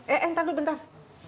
eh entar dulu bentar